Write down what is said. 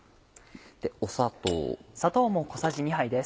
砂糖。